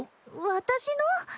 私の？